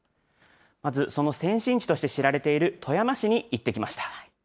まずその先進地として知られている富山市に行ってきました。